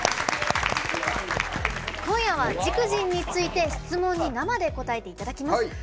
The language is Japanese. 今夜は「ＪＩＫＪＩＮ」について質問に生で答えていただきます。